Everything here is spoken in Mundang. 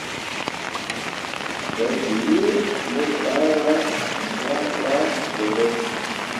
Dadǝwee mu bahra zah faa boro.